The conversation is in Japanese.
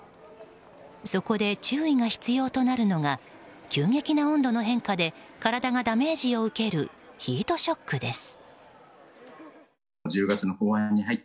そこで注意が必要となるのが急激な温度の変化で体がダメージを受けるヒートショックです。